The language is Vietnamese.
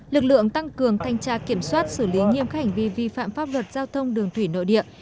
lực lượng tăng cường thanh tra kiểm soát xử lý nghiêm khảnh vì vi phạm pháp luật giao thông đường thủy nội địa